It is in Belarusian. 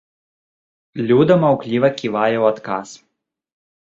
Люда маўкліва ківае ў адказ.